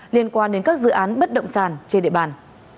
liên quan đến các dự án bất động sản trên địa bàn